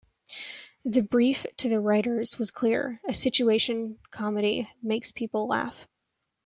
The brief to the writers was clear - a situation comedy makes people laugh...